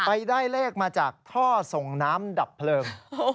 ไปได้เลขมาจากท่อส่งน้ำดับเพลิง